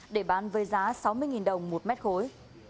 để bán với giá sáu mươi đồng một mét khối